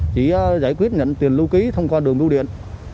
chỉ giải quyết nhận tiền lưu ký thông qua đường bưu điện